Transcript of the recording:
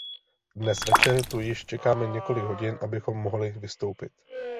Dnes večer tu již čekáme několik hodin, abychom mohli vystoupit.